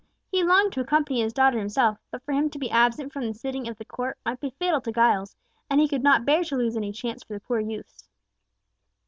He longed to accompany his daughter himself, but for him to be absent from the sitting of the court might be fatal to Giles, and he could not bear to lose any chance for the poor youths.